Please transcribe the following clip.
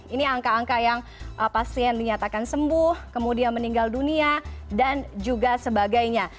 ini angka angka yang pasien dinyatakan sembuh kemudian meninggal dunia dan juga sebagainya